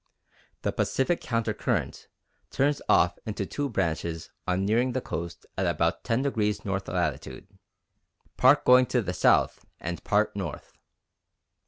The Pacific Counter Current turns off into two branches on nearing the coast at about 10° north latitude, part going to the south and part north.